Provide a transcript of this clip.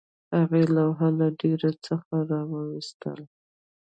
هغې لوحه له ډیرۍ څخه راویستله